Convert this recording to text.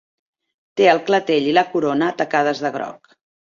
Té el clatell i la corona tacades de groc.